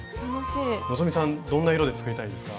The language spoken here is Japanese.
希さんどんな色で作りたいですか？